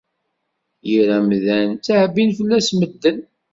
Yir amdan, ttɛebbin fell-as medden